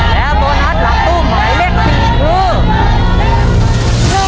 และโบนัสหลังตู้หมายเลข๔คือ